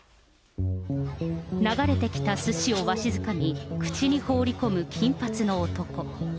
流れてきたすしをわしづかみ、口に放り込む金髪の男。